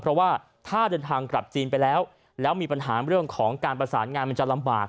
เพราะว่าถ้าเดินทางกลับจีนไปแล้วแล้วมีปัญหาเรื่องของการประสานงานมันจะลำบาก